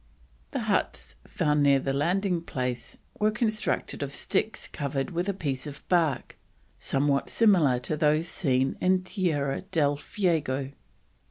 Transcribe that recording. The huts, found near the landing place, were constructed of sticks covered with pieces of bark somewhat similar to those seen in Tierra del Fuego.